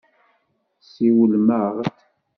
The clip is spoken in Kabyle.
Siwlem-aɣ-d.